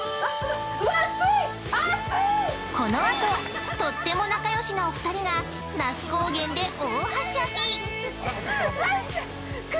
◆このあと、とっても仲よしなお二人が那須高原で大はしゃぎ！